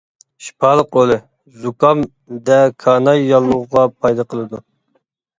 شىپالىق رولى:زۇكام دە كاناي ياللۇغىغا پايدا قىلىدۇ.